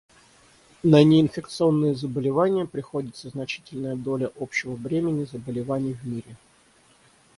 На неинфекционные заболевания приходится значительная доля общего бремени заболеваний в мире.